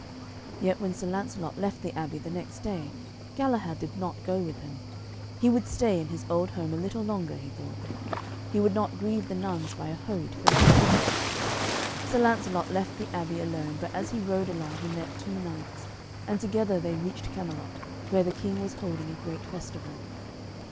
Yet when Sir Lancelot left the abbey the next day, Galahad did not go with him. He would stay in his old home a little longer, he thought. He would not grieve the nuns by a hurried farewell. Sir Lancelot left the abbey alone, but as he rode along he met two knights, and together they reached Camelot, where the King was holding a great festival.